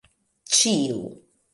ĉiu